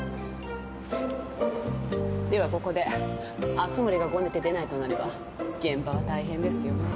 ではここで熱護がごねて出ないとなれば現場は大変ですよね。